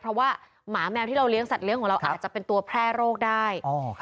เพราะว่าหมาแมวที่เราเลี้ยสัตเลี้ยของเราอาจจะเป็นตัวแพร่โรคได้